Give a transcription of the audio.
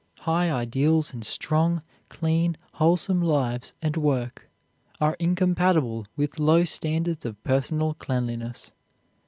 High ideals and strong, clean, wholesome lives and work are incompatible with low standards of personal cleanliness.